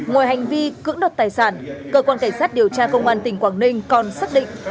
ngoài hành vi cưỡng đoạt tài sản cơ quan cảnh sát điều tra công an tỉnh quảng ninh còn xác định